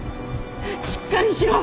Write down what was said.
しっかりしろ！